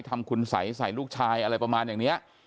ทำคุณสัยใส่ลูกชายอะไรประมาณอย่างนี้